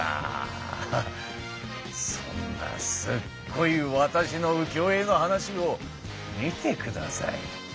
そんなすごいわたしの浮世絵の話を見てください。